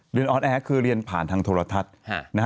ออนแอร์คือเรียนผ่านทางโทรทัศน์